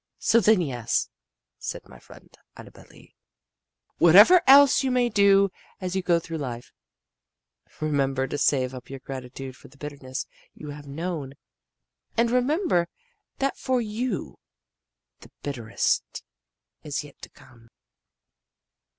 "So then, yes," said my friend Annabel Lee "whatever else you may do as you go through life, remember to save up your gratitude for the bitternesses you have known and remember that for you the bitterest is yet to come."